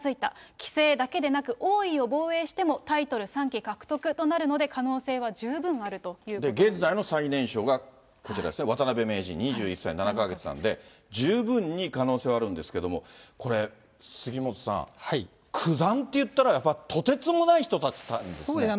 棋聖だけでなく、王位を防衛してもタイトル３期獲得となるので、可能性は十分ある現在の最年少がこちらですね、渡辺名人２１歳７か月なんで、十分に可能性はあるんですけれども、これ、杉本さん、九段っていったら、やっぱりとてつもないことですよね。